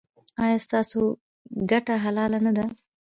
ایا ستاسو ګټه حلاله نه ده؟